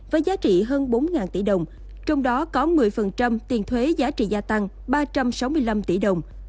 với giá trị hơn bốn tỷ đồng trong đó có một mươi tiền thuế giá trị gia tăng ba trăm sáu mươi năm tỷ đồng